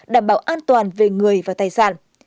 đảm bảo an toàn về người và tài sản